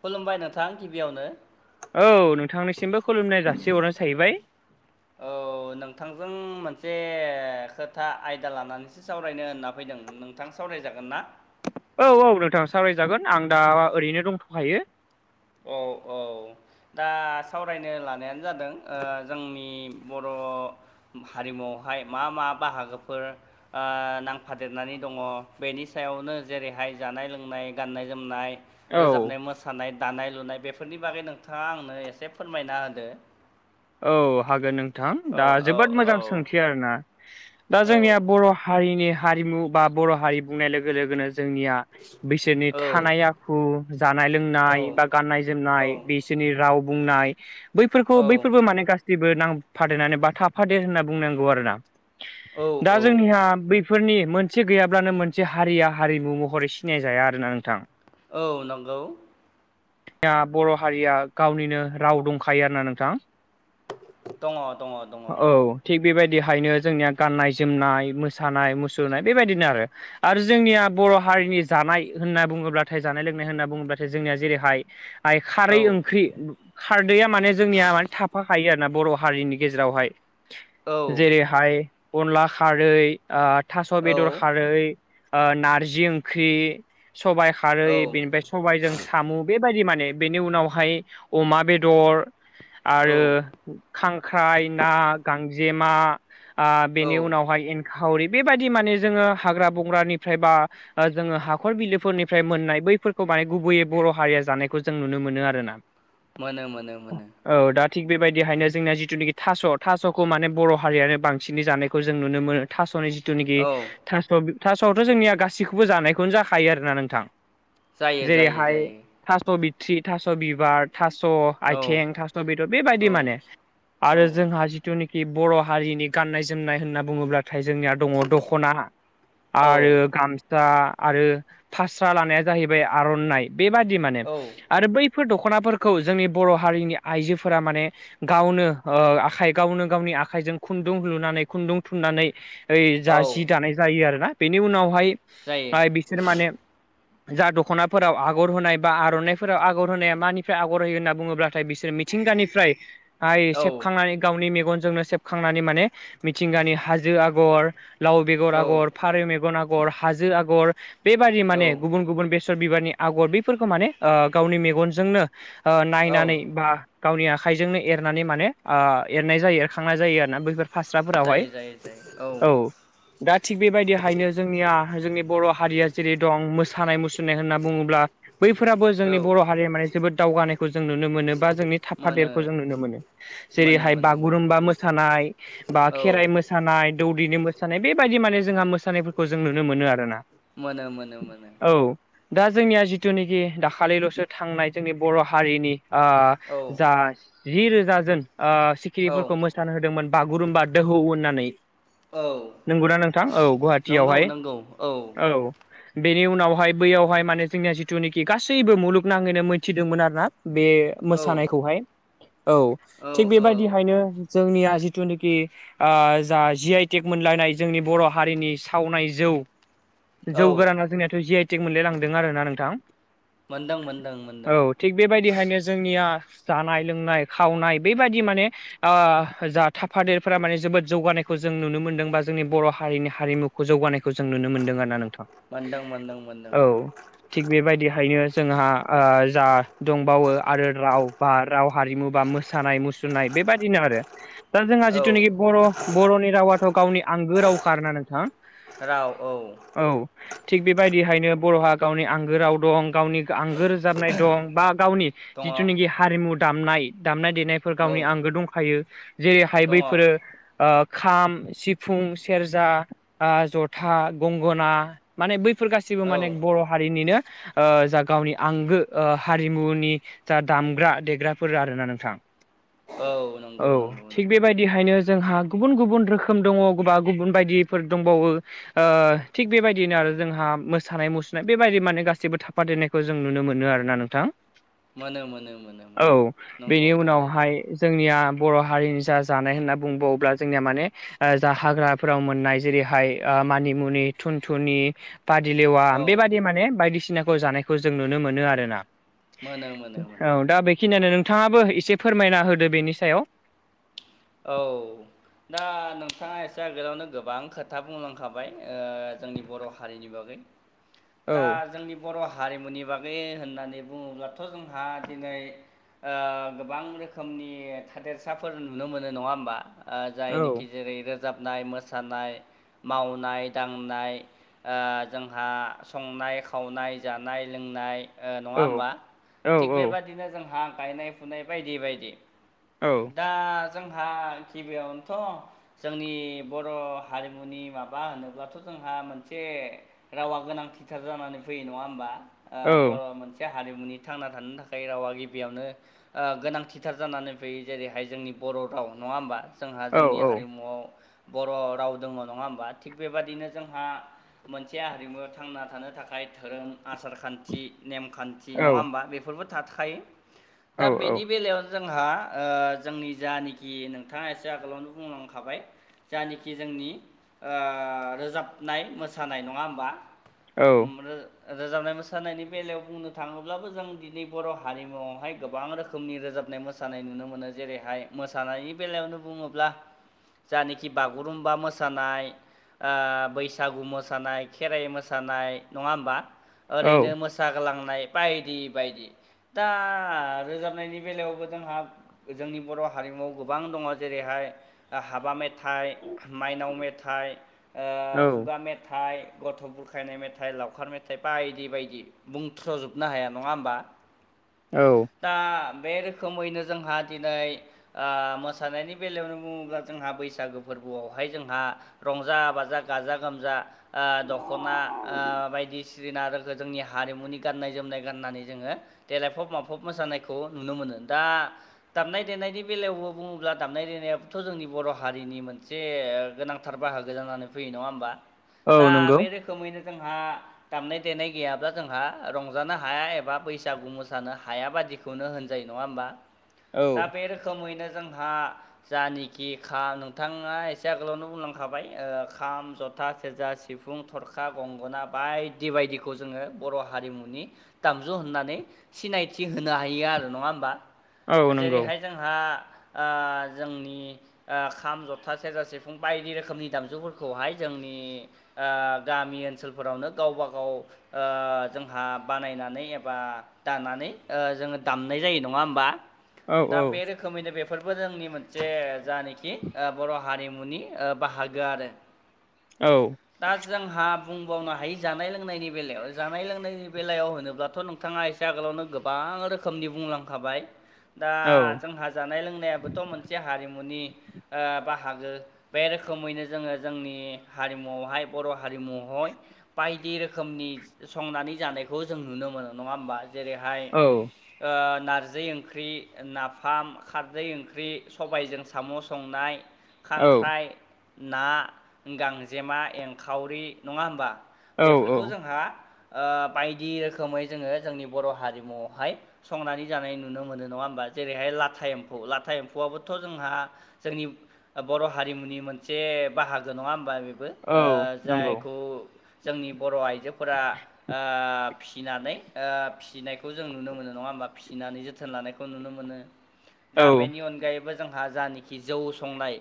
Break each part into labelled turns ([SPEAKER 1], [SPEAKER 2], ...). [SPEAKER 1] खुलुमबाय नोंथां गिबियावनो
[SPEAKER 2] औ नोंथांनिसिमबो खुलुमनाय जासि हरनाय साहैबाय
[SPEAKER 1] औ ओ नोंथांजों मोनसे खोथा आयदा लानानैसो सावरायनो होनना फैदों नों नोंथां सावरायजागोन ना?
[SPEAKER 2] औ औ नोंथां सावरायजागोन आं दा ओरैनो दंथ'खायो।
[SPEAKER 1] औ औ दा सावरायनो लानायानो जादों ओ जोंनि बर' हारिमुआवहाय मा मा बाहागोफोर ओ नांफादेरनानै दङ बेनि सायावनो जेरैहाय जानाय लोंनाय गाननाय जोमनाय
[SPEAKER 2] औ
[SPEAKER 1] रोजाबनाय मोसानाय दानाय लुनाय बेफोरनि बागै नोंथाङा आंनो एसे फोरमायना होदो
[SPEAKER 2] औ हागोन नोंथां
[SPEAKER 1] औ
[SPEAKER 2] दा
[SPEAKER 1] औ
[SPEAKER 2] जोबोद
[SPEAKER 1] औ
[SPEAKER 2] मोजां सोंथि आरोना दा
[SPEAKER 1] औ
[SPEAKER 2] जोंनिया बर' हारिनि हारिमु बा बर' हारि बुंनाय लोगो लोगोनो जोंनिया बिसोरनि थानाय
[SPEAKER 1] औ
[SPEAKER 2] आखु जानाय लोंनाय
[SPEAKER 1] औ
[SPEAKER 2] बा गाननाय
[SPEAKER 1] औ
[SPEAKER 2] जोमनाय बिस सोरनि राव बुंनाय बैफोरखौ बै
[SPEAKER 1] औ
[SPEAKER 2] फोर माने गासैबो नांफादेरनानै बा थाफादेर होनना बुंनांगौ आरो ना
[SPEAKER 1] औ
[SPEAKER 2] दा
[SPEAKER 1] औ
[SPEAKER 2] जोंनिहा बे फोरनि मोनसे गैयाब्लानो मोनसे हारिया हारिमु महरै सिनायजाया आरोना नोंथां
[SPEAKER 1] औ नंगौ।
[SPEAKER 2] या बर' हारिया गावनिनो राव दंखायो आरोना नोंथां
[SPEAKER 1] दङ दङ दङ
[SPEAKER 2] औ थिग बेबायदिहायनो जोंनिया गाननाय जोमनाय मोसानाय मुसुरनाय बेबायदिनो आरो आरो जोंनिया बर' हारिनि जानाय होनना बुङोब्लाथाय जानाय लोंनाय होनना बुङोब्लाथाय जोंनिया जेरै हाय हाय खारै
[SPEAKER 1] औ
[SPEAKER 2] ओंख्रि खारदैया माने जोंनिया माने थाफाखायो आरोना बर' हारिनि गेजेरावहाय
[SPEAKER 1] औ
[SPEAKER 2] जेरैहाय अनला खारै ओ थास' बेदर खारै ओ नार्जि ओंख्रि सबाइ खारै
[SPEAKER 1] औ
[SPEAKER 2] बेनिफ्राय सबायजों सामु बेबायदि माने बेनि उनावहाय अमा बेदर
[SPEAKER 1] औ
[SPEAKER 2] आरो खांख्राइ ना गांजेमा बेनि ओ
[SPEAKER 1] औ
[SPEAKER 2] उनावहाय एं खावरि बेबादि माने जोङो हाग्रा बंग्रानिफ्राय बा ओ जोङो हाखर बिलोफोरनिफ्राय मोननाय बैफोरखौ माने गुबैयै बर' हारिया जानायखौ जों नुनो मोनो आरो ना
[SPEAKER 1] मोनो मोनो मोनो।
[SPEAKER 2] औ दा थिग बेबायदिहायनो जोंना जिथुनाखि थास' थास'खौ माने बर' हारियानो बांसिनै जानायखौ जों नुनो मोनो। थास'नि जिथुनिखि
[SPEAKER 1] औ
[SPEAKER 2] थास' थास'आवथ' जोंनिया गासिखौबो जानायखौनो जाखायो आरोना नोंथां
[SPEAKER 1] जायो जायो
[SPEAKER 2] जेरैहाय
[SPEAKER 1] जायो
[SPEAKER 2] थास' बिथ्रि थास' बिबार थास'
[SPEAKER 1] औ
[SPEAKER 2] आयथें थास' बेदर बेबायदि
[SPEAKER 1] औ
[SPEAKER 2] माने
[SPEAKER 1] औ
[SPEAKER 2] आरो जोंहा जिनुखि बर' हारिनि गाननाय जोमनाय होनना बुङोब्लाथाय जोंनिया दङ दख'ना आरो
[SPEAKER 1] औ
[SPEAKER 2] गाम सा आरो फास्रा लानाया जाहैबाय आर'नाइ बेबादि माने।
[SPEAKER 1] औ
[SPEAKER 2] आरो बैफोर दख'नाफोरखौ जोंनि बर' हारिनि आइजोफोरा माने गावनो ओ आखाइ गावनो गावनि आखाइजों खुन्दुं लुनानै खुन्दुं थुननानै ओइ जा
[SPEAKER 1] औ
[SPEAKER 2] जि दानाय जायो आरोना बेनि उनावहाय
[SPEAKER 1] जायो
[SPEAKER 2] हाय बिसोर माने जा दख'नाफोराव आगर होनाय बा आर'नाइफोराव आगर होनाया मानिफ्राय आगर होयो होनना बुङोब्लाथाय बिसोर मिथिंगानिफ्राय आय
[SPEAKER 1] औ
[SPEAKER 2] सेबखांनानै गावनि मेगनजोंनो सेबखांनानै माने मिथिंगानि हाजो आगर लाव बेगर
[SPEAKER 1] औ
[SPEAKER 2] आगर फारौ मेगन आगर हाजो आगर बेबादि
[SPEAKER 1] औ
[SPEAKER 2] माने गुबुन गुबुन बेसर सर बिबारनि आगर बेैफोरखौ माने गावनि मेगनजोंनो ओ नायनानै बा गावनि आखाइजोंनो एरनानै माने ओ एरनाय जायो खांनाय जायो आरोना बैफोर
[SPEAKER 1] जायो
[SPEAKER 2] फास्राफोरावहाय
[SPEAKER 1] जायो जायो
[SPEAKER 2] औ। दा थिग बेबायदिहायनो जोंनिया जोंनि बर' हारिया जेरै दं मोसानाय मुसुरनाय होनना बुङोब्ला बैफोराबो
[SPEAKER 1] औ
[SPEAKER 2] जोंनि
[SPEAKER 1] औ
[SPEAKER 2] बर' हारिया माने जोबोद दावगानायखौ जों नुनो मोनो बा जोंनि
[SPEAKER 1] मोनो
[SPEAKER 2] थाफादेरखौ जों नुनो मोनो।
[SPEAKER 1] मोनो
[SPEAKER 2] जेरैहाय
[SPEAKER 1] मोनो मोनो
[SPEAKER 2] बागुरुमबा मोसानाय बा
[SPEAKER 1] औ
[SPEAKER 2] खेराइ मोसा सानाय दौदिनि मोसानाय बेबायदि माने जोंहा मोसानायफोरखौ जों नुनो मोनो आरोना।
[SPEAKER 1] मोनो मोनो मोनो
[SPEAKER 2] औ दा जोंनिया जिथ जिथुनोखि दाखालिल'सो थांनाय जोंनि बर' हारिनि ओ जा जि रोजाजोन ओ
[SPEAKER 1] औ औ
[SPEAKER 2] सिखिरिफोरखौ मोसानो होदोंमोन बागुरुम्बा दोहौ होननानै
[SPEAKER 1] औ
[SPEAKER 2] नंगौना नोंथां औ
[SPEAKER 1] नंगौ
[SPEAKER 2] गुवाहाटियावहाय
[SPEAKER 1] नंगौ औ
[SPEAKER 2] औ। बेनि उनावहाय बैयावहाय माने जोंनिया जिथुनिखि गासैबो मुलुगनाङैनो मिथिदोंमोन आरो ना बे
[SPEAKER 1] औ
[SPEAKER 2] मोसानायखौहाय। औ थिग बेबायदिहायनो जोंनिया जिथुनोखि ओ जा जि आइ टेक मोनलायनाय जोंनि बर' हारिनि सावनाय जौ जौ
[SPEAKER 1] औ
[SPEAKER 2] गोराना जोंनियाथ' जि आइ टिक मोनलाय लांदों आरोना नोंथां।
[SPEAKER 1] मोनदों मोनदों
[SPEAKER 2] औ
[SPEAKER 1] मोनदों।
[SPEAKER 2] थिग बेबायदिहायनो जोंनिया जानाय लोंनाय खावनाय बेबायदि माने ओ जा थाफादेरफोरा माने जोबोद जौगानायखौ जों नुनो मोनदों बा जोंनि बर' हारिनि हारिमु खौ जौगानायखौ जों नुनो मोनदों आरो ना नोंथां
[SPEAKER 1] मोनदों मोनदों मोनदों
[SPEAKER 2] औ। थिग बेबायदिहायनो जोंहा ओ जा दंबावो आरो राव बा राव हारिमु बा मोसा मोसानाय मुसुरनाय बेबायदिनो आरो। दा जोंहा
[SPEAKER 1] औ
[SPEAKER 2] जिथुनाखि बर' बर'नि रावाथ' गावनि आंगो रावखा आरोना नोंथां।
[SPEAKER 1] राव औ।
[SPEAKER 2] औ थिग बेबायदिहायनो बर'हा गावनि आंगो राव दं गावनि आंगो [unintelligible] दं बा गावनि
[SPEAKER 1] दङ औ
[SPEAKER 2] जिथुनाखि हारिमु दामनाय दामनाय देनाय फोर गावनि आंगो दंखायो जेरैहाय
[SPEAKER 1] दङ औ
[SPEAKER 2] बैफोरो ओ खाम, सिफुं, सेरजा ओ जथा, गंगना माने बैफोर गासिबो माने
[SPEAKER 1] औ
[SPEAKER 2] बर' हारिनिनो ओ जा गावनि आंगो हारिमुनि जा दामग्रा देग्राफोर आरोना नोंथां औ
[SPEAKER 1] नंगौ नंगौ
[SPEAKER 2] थिग बे
[SPEAKER 1] नंगौ
[SPEAKER 2] बेबायदिहायनो जोंहा गुबुन गुबुन रोखोम दङ बा गुबुन बायदिफोर दंबावो। ओ थिग बेबायदिनो आरो जोंहा मोसानाय मुसुरनाय बेबायदि माने गासै जेबो थाफादेरनायखौ जों नुनो मोनो आरोना नोंथां।
[SPEAKER 1] मोनो मोनो मोनो
[SPEAKER 2] औ
[SPEAKER 1] मोनो नंगौ
[SPEAKER 2] बेनि
[SPEAKER 1] थारैनो
[SPEAKER 2] उनावहाय जोंनिया बर' हारिनि जा जानाय होनना बुंबावोब्ला जोंनिया माने ओ जा हाग्राफोराव मोननाय जेरैहाय ओ मानिमुनि थुनथुनि पादिलेवा
[SPEAKER 1] औ
[SPEAKER 2] बेबादि माने बायदिसिनाखौ जानायखौ जों नुनो मोनो आरोना।
[SPEAKER 1] मोनो मोनो मोनो
[SPEAKER 2] औ दा बेखिनियानो नोंथाङाबो एसे फोरमायना होदो बेनि सायाव।
[SPEAKER 1] औ दा नोंथाङा एसे आगोलावनो गोबां खोथा बुंलांखाबाय ओ जोंनि बर' हारिनि बागै।
[SPEAKER 2] [inaudible]
[SPEAKER 1] दा जोंनि बर' हारिमुनि बागै होननानै बुङोब्लाथ' जोंहा दिनै ओ गोबां रोखोमनि थादेरसाफोर नु नो मोनो नङा होमबा
[SPEAKER 2] औ
[SPEAKER 1] जायनिखि जेरै रोजाबनाय मोसानाय मावनाय दांनाय ओ जोंहा संनाय खावनाय जानाय लोंनाय ओ नङा
[SPEAKER 2] औ
[SPEAKER 1] होमबा
[SPEAKER 2] औ
[SPEAKER 1] थिग
[SPEAKER 2] औ
[SPEAKER 1] बेबादिनो जोंहा गायनाय फुनाय बायदि बायदि।
[SPEAKER 2] औ
[SPEAKER 1] दा जोंहा गिबियावनोथ' जोंनि बर' हारिमुनि माबा होनोब्लाथ' जोंहा मोनसे रावा गोनांथिथार जानानै फैयो नङा होमबा ओ
[SPEAKER 2] औ
[SPEAKER 1] बर' मोनसे बे हारिमुनि थांना थानो थाखाय रावा गिबियावनो ओ गोनांथिथार जानानै फैयो जेरैहाय जोंनि बर' राव नङा होमबा जोंहा
[SPEAKER 2] औ
[SPEAKER 1] जोंनि हारिमुआव बर' राव दङ नङा होमबा थिग बेबादिनो जोंहा मोनसे हारिमु थांना थानो थाखाय धोरोम आसार खान्थि नेमखान्थि
[SPEAKER 2] औ
[SPEAKER 1] नङा होमबा बेफोरबो थाखायो दा बेनि बेलायाव जोंहा ओ जोंनि जानखि नोंथाङा एसे आगोलावनो बुंलांखाबाय जानेखि जोंनि रोजाबनाय मोसानाय नङा होमबा
[SPEAKER 2] औ
[SPEAKER 1] ओम रो रोजाबनाय मोसानायनि बेलायाव बुंनो थाङोब्लाबो जों दिनै बर' हारिमुआवहाय गोबां रोखोमनि रोजाबनाय मोसा नाय नुनो मोनो जेरैहाय मोसानायनि बेलायावनो बुङोब्ला जानाखि बागुरुम्बा मोसानाय ओ बैसागु मोसानाय खेराइ मोसानाय नङा होमबा ओरैनो
[SPEAKER 2] औ
[SPEAKER 1] मोस सागोलांनाय बायदि बायदि। दा रोजाबनायनि बेलायावबो जोंहा जोंनि बर' हारिमुआव गोबां दङ जेरैहाय ओ हाबा मे थाइ माइनाव मेथाइ ओ खुगा मे मेथाइ गथ' बुरखायनाय मेथाइ लावखार मेथाइ बायदि बायदि। बुंथ्र'जोबनो हाया नङा होमबा।
[SPEAKER 2] औ
[SPEAKER 1] दा बे रोखोमैनो जोंहा दिनै ओ मोसानायनि बेलायावनो बुङोब्ला जोंहा बैसागो फोरबोआवहाय जोंहा रंजा बाजा गाजा गोमजा ओ दख'ना ओ बायदिसि [unintelligible] जोंनि हारिमुनि गाननाय जोमनाय गान्नानै जोङो देलायफब माफब मोसानायखौ नुनो मोनो दा दामनाय देनायनि बेलायावबो बुङोब्ला दामनाय देनायाबोथ' जोंनि बर' हारिनि मोनसे ओ गोनांथार बाहागो जानानै फैयो नङा होमबा दा
[SPEAKER 2] औ नंगौ
[SPEAKER 1] बे रोखोमैनो जोंहा दामनाय देनाय गैयाब्ला जोंहा रंजानो हाया एबा बैसागु मोसानो हाया बादि [unintelligible] होनजायो नङा होमबा?
[SPEAKER 2] [inaudible]
[SPEAKER 1] दा बे रोखोमैनो जोंहा जानिखि खा नोंथाङा एसे आगोलावनो बुंलांखाबाय ओ खाम, जथा, सेरजा, सि सिफुं थरखा गंगना बायदि बायदिखौ जोङो बर' हारिमुनि दामजु होननानै सिनायथि होनो हायो आरो नङा होमबा
[SPEAKER 2] औ नंगौ
[SPEAKER 1] जेरैहाय जोंहा ओ जोंनि ओ खाम जथा सेरजा सिफुं बायदि रोखोमनि दामजुफोरखौहाय जोंनि ओ गामि ओनसोलफोरावनो गावबा गाव ओ जोंहा बानायनानै एबा दानानै ओ जोङो दामनाय जायो नङा होमबा?
[SPEAKER 2] औ
[SPEAKER 1] दा बेरोखो खोमैनो बेफोरबो जोंनि मोनसे जानोखि ओ बर' हारिमुनि ओ बाहागो आरो।
[SPEAKER 2] औ
[SPEAKER 1] दा जोंहा बुंबावनो हायो जानाय लोंनायनि बेलायाव जानाय लोंनायनि बेलायाव होनोब्लाथ' नों थाङा एसे आगोलावनो गोबां रोखोमनि बुंलांखाबाय। दा
[SPEAKER 2] औ
[SPEAKER 1] जोंहा जानाय लोंनायाबोथ' मोनसे हारिमुनि ओ बाहागो। बे रोखोमैनो जोङो जोंनि हारिमुआवहाय बर' हारिमहय बायदि रोखोमनि संनानै जानायखौ जों नुनो मोनो नङा होमबा? जेरैहाय ओ नारजै ओंख्रि नाफाम खारदै ओंख्रि सबायजों साम' संनाय।
[SPEAKER 2] औ
[SPEAKER 1] खांख्राइ ना गांजेमा एंखावरि नङा होमबा?
[SPEAKER 2] औ
[SPEAKER 1] बेफोरखौ जोंहा ओ बायदि रोखोमै जोङो जोंनि बर' हारिमुआवहाय संनानै जानाय नुनो मोनो नङा ओम बा जेरैहाय लाथा एम्फौ लाथा एम्फौआबोथ' जोंहा जोंनि ओ बर' हारिमुनि मोनसे बाहागो नङा होमबा बेबो ओ
[SPEAKER 2] औ नंगौ
[SPEAKER 1] जायखौ जोंनि बर' आइजोफोरा ओ फिनानै ओ फिसिनायखौ जों नुनो मोनो नङा होमबा फिसिनानै जोथोन लानायखौ खौ नुनो मोनो
[SPEAKER 2] औ
[SPEAKER 1] दा बेनि अनगायैबो जोंहा जानोखि जौ संनाय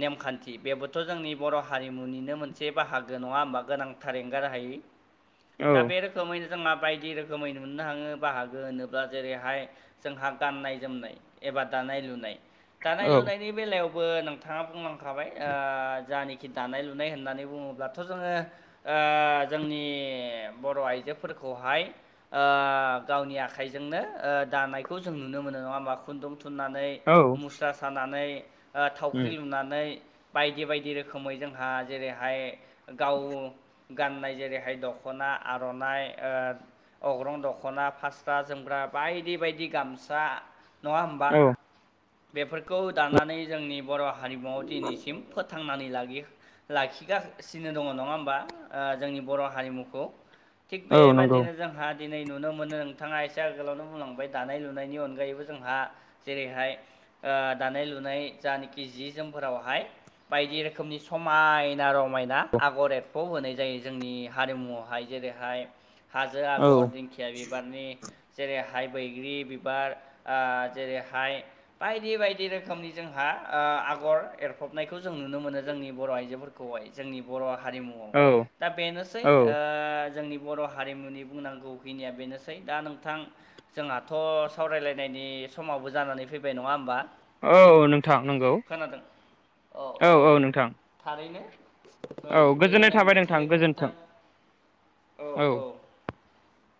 [SPEAKER 1] नेमखान्थि बेबोथ' जोंनि बर' हारिमुनिनो मोनसे बाहागो नङा होमबा गोनांथार एंगारहायि
[SPEAKER 2] [inaudible]
[SPEAKER 1] दा बे रोखोमैनो जों माबायदि रोखोमै नुनो हाङो बाहागो होनोब्ला जेरैहाय जोंहा गाननाय जोमनाय एबा दानाय लुनाय दानाय
[SPEAKER 2] औ
[SPEAKER 1] लुनायनि बेलायावबो नोंथाङा बुंलांखाबाय ओ जानोखि दानाय लुनाय होननानै बुङोब्लाथ' जोङो ओ जोंनि बर' आइजोफोरखौहाय ओ गावनि आखाइजोंनो ओ दानाय खौ जों नुनो मोनो नङा होमबा खुन्दुं थुननानै
[SPEAKER 2] औ
[SPEAKER 1] मुस्रा सानानै ओ थावख्रि
[SPEAKER 2] उम
[SPEAKER 1] लुनानै बायदि बायदि रोखोमै जोंहा जेरैहाय गाव गाननाय जेरैहाय दख'ना आर'नाइ ओ अग्रं दख'ना फास्रा जोमग्रा बायदि बायदि। गामसा नङा होमबा
[SPEAKER 2] औ
[SPEAKER 1] बेफोरखौ दानानै जोंनि बर' हारिमुवाव दिनैसिम फोथांनानै लागि लाखिगासिनो दङ नङा होमबा ओ जोंनि बर' हारिमुखौ। थिग
[SPEAKER 2] औ नंगौ
[SPEAKER 1] बेबादिनो जोंहा दिनै नुनो मोनो नोंथाङा एसे आगोलावनो बुंलांबाय दानाय लुनायनि अनगायैबो जोंहा जेरैहाय ओ दानाय लुनाय जानेकि जि जोमफोरावहाय बायदि रोखोमनि समायना रम मायना आगर एदखौ होनाय जायो जोंनि हारिमुआवहाय जेरैहाय हाजो
[SPEAKER 2] औ
[SPEAKER 1] आगर दिंखिया बिबारनि जेरै हाइ बैग्रि बिबार ओ जेरैहाय बायदि बायदि रोखोमनि जोंहा ओ आगर एरफबनायखौ जों नुनो मोनो जोंनि बर' आइजोफोर खौहाय जोंनि बर' हारिमुआव
[SPEAKER 2] औ
[SPEAKER 1] दा बेनोसै
[SPEAKER 2] औ
[SPEAKER 1] ओ जोंनि बर' हारिमुनि बुंनांगौखिनिया बेनोसै दा नोंथां जोंहाथ' सावरायलायनायनि समावबो जानानै फैबाय नङा होमबा?
[SPEAKER 2] औ नोंथां नंगौ
[SPEAKER 1] खोनादों
[SPEAKER 2] औ औ नोंथां
[SPEAKER 1] थारैनो औ गोजोननाय मोनबाय थारैनो नोंथां।
[SPEAKER 2] औ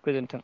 [SPEAKER 2] गोजोन्थों